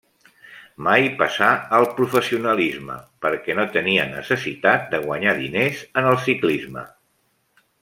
Mai passà al professionalisme perquè no tenia necessitat de guanyar diners en el ciclisme.